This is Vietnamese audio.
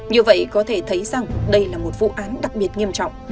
như vậy có thể thấy rằng đây là một vụ án đặc biệt nghiêm trọng